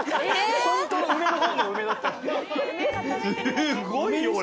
すっごいよこれ。